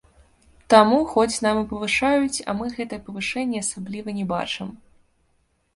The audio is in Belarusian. Таму хоць нам і павышаюць, а мы гэтыя павышэнні асабліва не бачым.